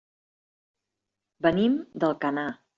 Venim d'Alcanar.